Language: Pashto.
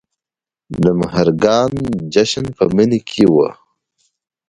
د مهرګان جشن په مني کې و